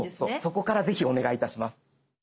そこからぜひお願いいたします。